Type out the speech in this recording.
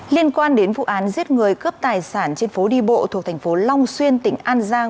liên quan đến vụ án giết người cướp tài sản trên phố đi bộ thuộc thành phố long xuyên tỉnh an giang